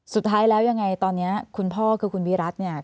สุดท้ายแล้วยังไงตอนนี้คุณพ่อคือคุณวิรัติเนี่ย